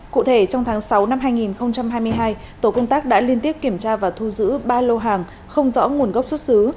cụ thể trong tháng sáu năm hai nghìn hai mươi hai tổ công tác đã liên tiếp kiểm tra và thu giữ ba lô hàng không rõ nguồn gốc xuất xứ